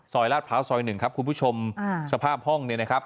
ลาดพร้าวซอยหนึ่งครับคุณผู้ชมสภาพห้องเนี่ยนะครับ